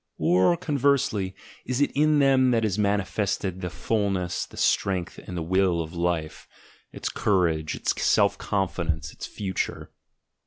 Or, conversely, is it in them that is manifested the fulness, the strength, and the will of Life, its courage, its self confidence, its future?